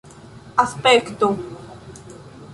aspekto